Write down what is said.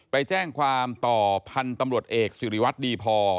ไปแจ้งความต่อพันธุ์ตำรวจเอกสิริวัตรดีพอ